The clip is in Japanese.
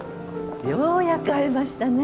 ようやく会えましたね。